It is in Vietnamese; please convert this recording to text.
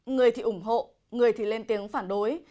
người thì ủng hộ người thì lên tiếng phản đối